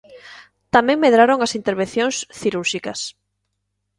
Tamén medraron as intervencións cirúrxicas.